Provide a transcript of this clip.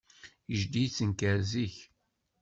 Jeddi yettenkar zik.